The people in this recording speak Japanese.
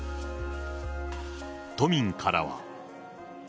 都民からは。